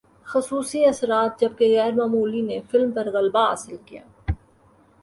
خصوصی اثرات جبکہ غیر معمولی نے فلم پر غلبہ حاصل کیا